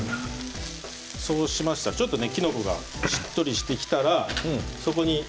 そうしましたらきのこがしっとりしてきたらそこに。